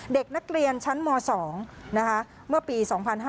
เด็กนักเรียนชั้นม๒เมื่อปี๒๕๕๙